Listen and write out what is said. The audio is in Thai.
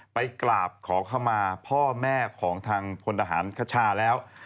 ไปกราบขอเข้ามาพ่อแม่ของทางพลทหารคชาแล้ว